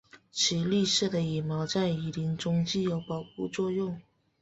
其绿色的羽毛在雨林中具有保护作用。